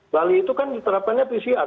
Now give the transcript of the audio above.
bali itu kan diterapkannya pcr